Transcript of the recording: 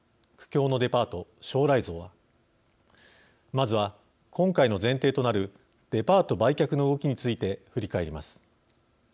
まずは今回の前提となるデパート売却の動きについて振り返ります。